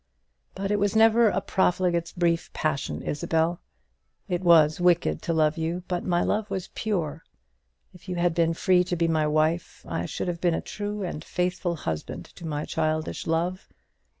But it was never a profligate's brief passion, Isabel. It was wicked to love you; but my love was pure. If you had been free to be my wife, I should have been a true and faithful husband to my childish love.